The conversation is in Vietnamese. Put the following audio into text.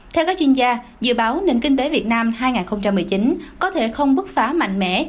theo các chuyên gia dự báo nền kinh tế việt nam hai nghìn một mươi chín có thể không bứt phá mạnh mẽ